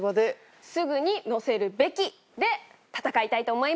すぐに載せるべきで戦いたいと思います。